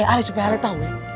eh ala supaya ala tau nih